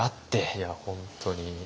いや本当に。